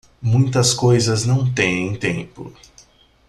Muitas coisas não têm tempo